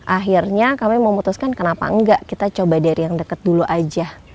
akhirnya kami memutuskan kenapa enggak kita coba dari yang deket dulu aja